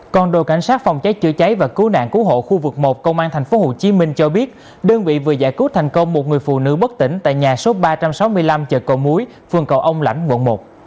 còn đội cảnh sát phòng cháy chữa cháy và cứu nạn cứu hộ khu vực một công an tp hcm cho biết đơn vị vừa giải cứu thành công một người phụ nữ bất tỉnh tại nhà số ba trăm sáu mươi năm chợ cầu muối phường cầu ông lãnh quận một